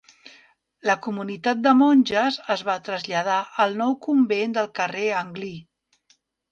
La comunitat de monges es va traslladar al nou convent del carrer Anglí.